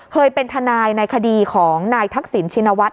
เคยเป็นทนายในคดีของนายทักษิณชินวัฒน